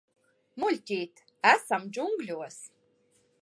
Muļķīt, esam džungļos.